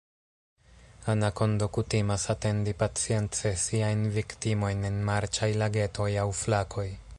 Anakondo kutimas atendi pacience siajn viktimojn en marĉaj lagetoj aŭ flakoj.